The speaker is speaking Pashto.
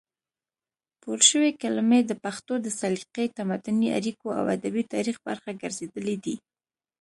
پورشوي کلمې د پښتو د سلیقې، تمدني اړیکو او ادبي تاریخ برخه ګرځېدلې دي،